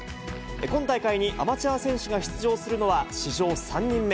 今大会にアマチュア選手が出場するのは史上３人目。